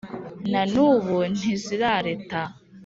Na n’ubu ntizirareta